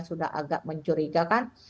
sudah agak mencurigakan